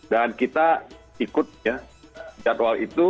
dan kita ikut ya jadwal itu